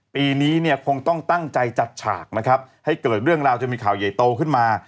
ปีนี้เนี่ยคงต้องตั้งใจจัดฉากนะครับให้เกิดเรื่องราวจนมีข่าวใหญ่โตขึ้นมา